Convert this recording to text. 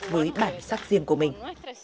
với bản sắc riêng của mình